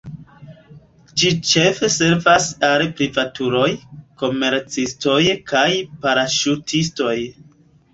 Ĝi ĉefe servas al privatuloj, komercistoj kaj paraŝutistoj.